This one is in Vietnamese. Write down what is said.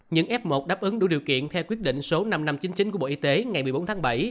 những f một đáp ứng đủ điều kiện theo quyết định số năm nghìn năm trăm chín mươi chín của bộ y tế ngày một mươi bốn tháng bảy